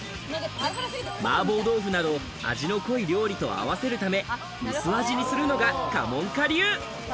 麻婆豆腐など、味の濃い料理と合わせるため、薄味にするのが過門香流。